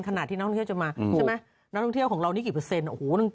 นักท่องเที่ยวจะมาใช่ไหมนักท่องเที่ยวของเรานี่กี่เปอร์เซ็นต์โอ้โห